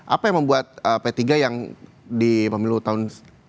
apa yang membuat p tiga yang di pemilu tahun